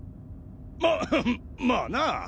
ままあなぁ。